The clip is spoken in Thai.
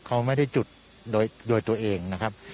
เขาไม่ได้จุดโดยตัวเองนะครับ